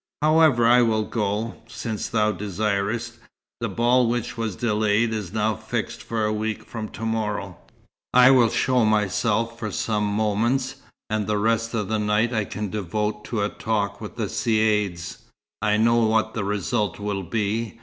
However, I will go, since thou desirest. The ball, which was delayed, is now fixed for a week from to morrow. I will show myself for some moments, and the rest of the night I can devote to a talk with the caïds. I know what the result will be.